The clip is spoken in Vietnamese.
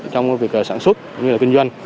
trong việc sản xuất như là kinh doanh